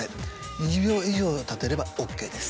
２０秒以上立てればＯＫです。